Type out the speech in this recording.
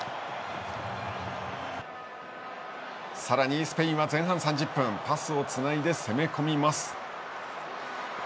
さらにスペインは前半３０分パスをつないで攻め込みます。